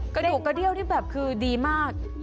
กระดูกกะเดียวที่คือดีมาก